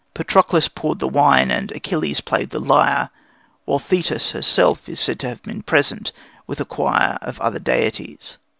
Patroclus poured the wine and Achilles played the lyre, while Thetis herself is said to have been present with a choir of other deities.